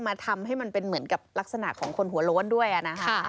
ทำให้มันเป็นเหมือนกับลักษณะของคนหัวโล้นด้วยนะคะ